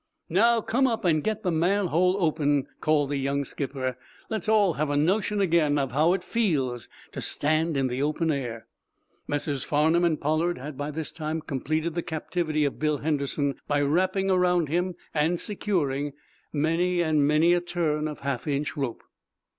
"Now, come up and get the manhole open," called the young skipper. "Let's all have a notion again of how it feels to stand in the open air." Messrs. Farnum and Pollard had, by this time, completed the captivity of Bill Henderson by wrapping around him and securing many and many a turn of half inch rope.